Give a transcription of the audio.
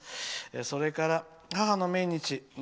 それから、母の命日。